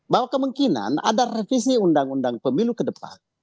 bahwa kemungkinan ada revisi undang undang pemilu ke depan